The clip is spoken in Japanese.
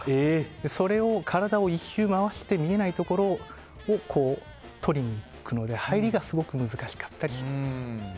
それを体を１周回して見えないところをとりにいくので入りがすごく難しかったりします。